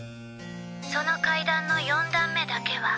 その階段の四段目だけは